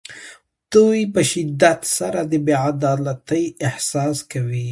دوی په شدت سره د بې عدالتۍ احساس کوي.